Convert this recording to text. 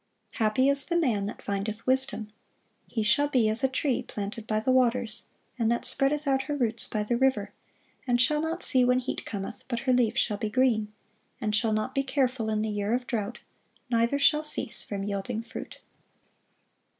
(1040) "Happy is the man that findeth wisdom." "He shall be as a tree planted by the waters, and that spreadeth out her roots by the river, and shall not see when heat cometh, but her leaf shall be green; and shall not be careful in the year of drought, neither shall cease from yielding fruit."